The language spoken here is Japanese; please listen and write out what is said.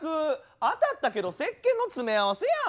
当たったけどせっけんの詰め合わせやん。